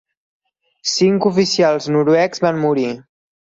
Cinc oficials noruecs van morir.